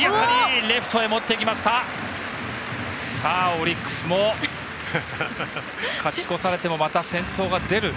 オリックスも勝ち越されてもまた先頭が出る。